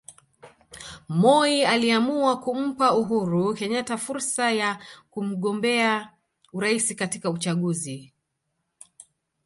Moi aliamua kumpa Uhuru Kenyatta fursa ya kugombea urais katika uchaguzi